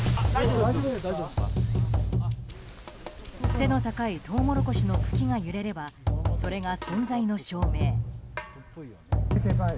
背の高いトウモロコシの茎が揺れればそれが存在の証明。